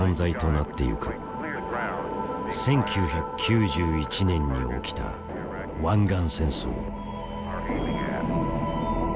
１９９１年に起きた湾岸戦争。